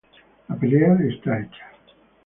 La pelea está hecha.